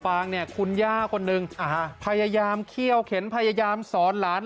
ฟางเนี่ยคุณย่าคนนึงพยายามเขี้ยวเข็นพยายามสอนหลาน